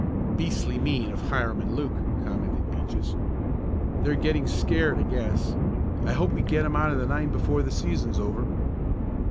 "Beastly mean of Hiram and Luke," commented Peaches. "They're getting scared I guess. I hope we get 'em out of the nine before the season's over."